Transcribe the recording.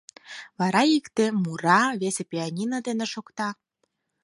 Вара икте мура, весе пианино дене шокта.